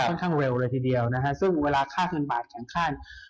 ข้างเร็วเลยทีเดียวนะฮะซึ่งเวลาค่าเงินบาทแข็งค่า